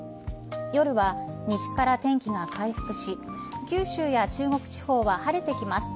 夜は西から天気が回復し九州や中国地方は晴れてきます。